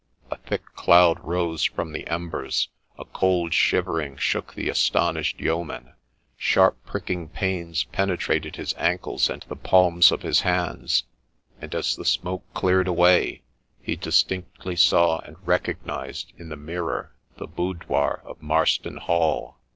' A thick cloud rose from the embers ; a cold shivering shook the astonished Yeoman ; sharp pricking pains penetrated his ankles and the palms of his hands, and, as the smoke cleared away, he THE LEECH OF FOLKESTONE 85 distinctly saw and recognized in the mirror the boudoir of Marston Hall.